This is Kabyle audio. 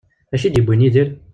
D acu i d-yewwin Yidir?